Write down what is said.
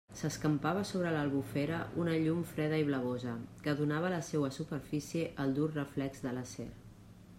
S'escampava sobre l'Albufera una llum freda i blavosa, que donava a la seua superfície el dur reflex de l'acer.